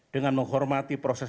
dengan menghormati proses